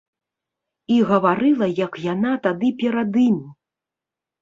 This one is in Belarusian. І гаварыла як яна тады перад ім!